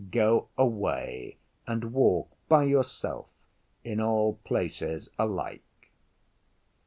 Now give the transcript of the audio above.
Go away and walk by yourself in all places alike.